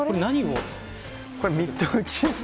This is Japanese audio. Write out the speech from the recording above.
これ、ミット打ちですね。